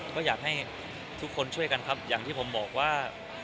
ก็อยากให้ทุกคนช่วยกันครับอย่างที่ผมบอกว่า